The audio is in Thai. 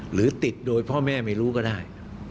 หรือติดโดยพ่อแม่ไม่รู้ก็ได้